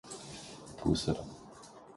土死了！